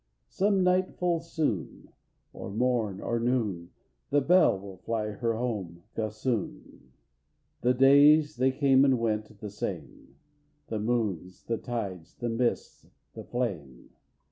"Some night full soon, or morn, or noon, The Bell will fly her home gossoon!" V. The days they came and went the same, The moons, the tides, the mists, the flame.